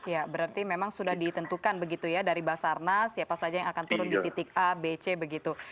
ya berarti memang sudah ditentukan begitu ya dari basarnas siapa saja yang akan turun di titik a b c begitu